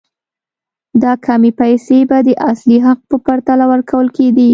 دا کمې پیسې به د اصلي حق په پرتله ورکول کېدې.